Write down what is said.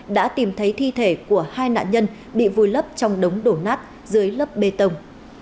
đã tìm thấy thi thể của hai nạn nhân bị vùi lấp trong đống đổ nát dưới lớp bê tông